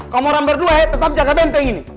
kamu orang berdua ya tetap jaga benteng ini